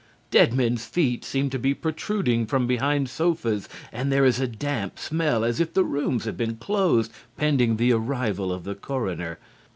Dead men's feet seem to be protruding from behind sofas and there is a damp smell as if the rooms had been closed pending the arrival of the coroner.